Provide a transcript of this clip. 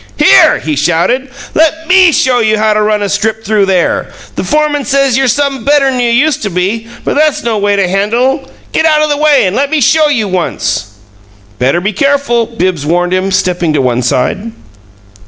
"Here!" he shouted. "Let ME show you how to run a strip through there. The foreman says you're some better'n you used to be, but that's no way to handle Get out the way and let me show you once." "Better be careful," Bibbs warned him, stepping to one side.